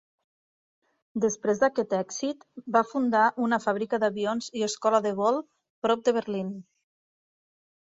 Després d'aquest èxit, va fundar una fàbrica d'avions i escola de vol prop de Berlín.